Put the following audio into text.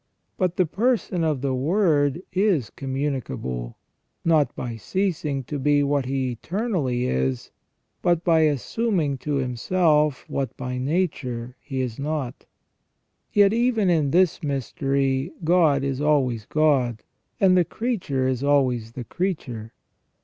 But the person of the Word is communicable, not by ceasing to be what He eternally is, but by assuming to Himself what by nature He is not. Yet even in this mystery God is always God, and the creature is always the creature.